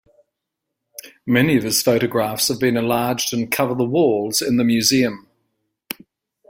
Many of his photographs have been enlarged and cover the walls in the museum.